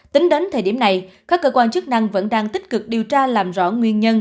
tính đến thời điểm này các cơ quan chức năng vẫn đang tích cực điều tra làm rõ nguyên nhân